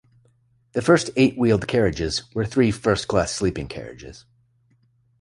The first eight-wheeled carriages were three first class sleeping carriages.